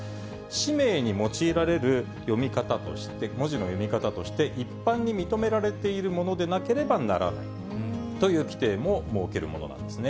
氏名に用いられる読み方として、文字の読み方として一般に認められているものでなければならないという規定も設けるものなんですね。